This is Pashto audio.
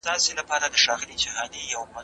د لښکر مخته بې لښکره و ووت